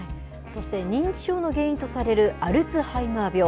そして認知症の原因とされるアルツハイマー病。